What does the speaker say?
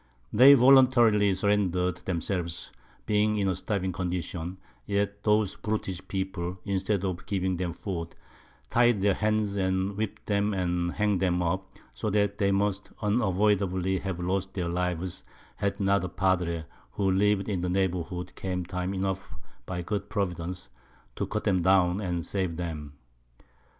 They voluntarily surrendered themselves, being in a starving Condition, yet those Brutish People, instead of giving them Food, tied their Hands, then whipp'd them and hang'd them up, so that they must unavoidably have lost their Lives, had not a Padre, who liv'd in the Neighbourhood, came time enough by good Providence, to cut 'em down, and save them.